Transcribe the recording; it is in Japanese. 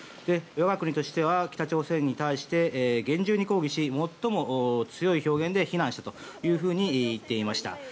我が国としては北朝鮮に対して厳重に抗議し最も強い表現で非難したというふうに言っていました。